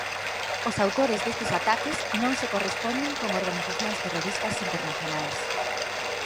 Os autores destes ataques non se corresponden con organizacións terroristas internacionais.